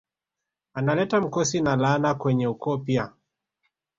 Analeta mkosi na laana kwenye ukoo pia